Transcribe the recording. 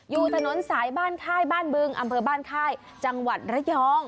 อยู่ถนนสายบ้านค่ายบ้านบึงอำเภอบ้านค่ายจังหวัดระยอง